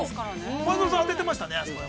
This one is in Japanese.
◆前園さんは当ててましたね。